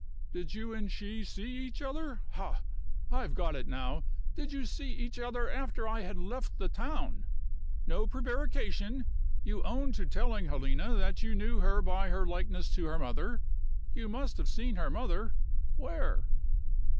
"Did you and she see each other ha! I've got it now did you see each other after I had left the town? No prevarication! You own to telling Helena that you knew her by her likeness to her mother. You must have seen her mother. Where?"